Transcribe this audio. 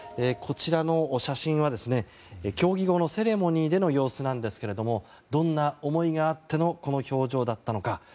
こちらの写真は競技後のセレモニーでの様子なんですけどもどんな思いがあってのこの表情だったのか。